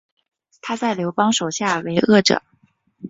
他在刘邦手下为谒者。